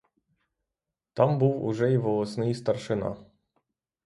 Там був уже і волосний старшина.